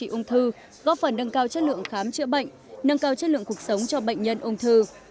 ung thư góp phần nâng cao chất lượng khám chữa bệnh nâng cao chất lượng cuộc sống cho bệnh nhân ung thư